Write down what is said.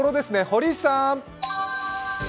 堀内さん！